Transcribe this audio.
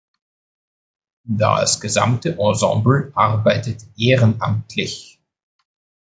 Das gesamte Ensemble arbeitet ehrenamtlich.